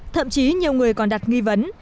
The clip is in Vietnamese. thậm chí nhiều người còn đặt nghi vấn